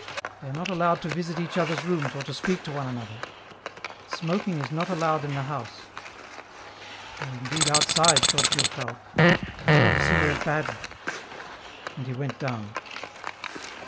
" They are not allowed to visit each other's rooms or to speak to one another. *' Smoking is not allowed in the house." 1 86 EN ROUTE. '* Nor indeed outside," thought Durtal. " But I want a cigarette badly ;" and he went down.